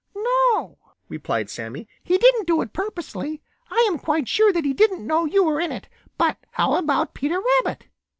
"No," replied Sammy. "He didn't do it purposely. I am quite sure that he didn't know you were in it. But how about Peter Rabbit?